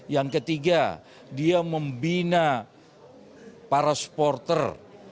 yang ketiga dia membina para supporter